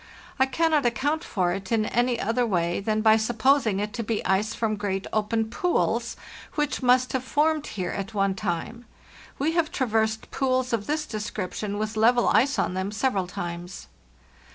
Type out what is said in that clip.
I cannot account for it in any other way than by supposing it to be ice from great open pools which must have formed here at one time. We have traversed pools of this description, with level ice on them, several times."